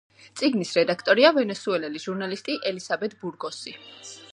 წიგნის რედაქტორია ვენესუელელი ჟურნალისტი ელისაბედ ბურგოსი.